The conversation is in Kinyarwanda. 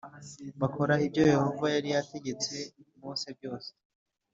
bakora ibyoYehova yari yategetse Mose byose